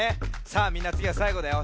さあみんなつぎはさいごだよ。